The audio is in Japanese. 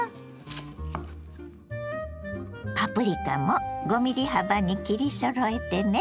パプリカも５ｍｍ幅に切りそろえてね。